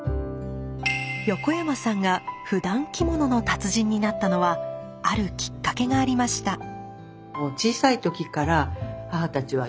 横山さんがふだん着物の達人になったのはあるきっかけがありました。